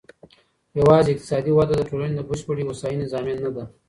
يواځې اقتصادي وده د ټولني د بشپړې هوسايني ضامن نه ده.